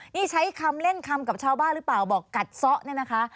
นี่ใช้คำเล่นคำกับชาวบ้านหรือเปล่าบอกกัดซ้อเนี่ยนะคะ